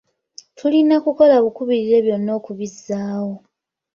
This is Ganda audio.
Tulina kukola bukubirire byonna okubizzaawo.